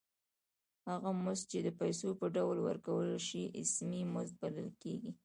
هغه مزد چې د پیسو په ډول ورکړل شي اسمي مزد بلل کېږي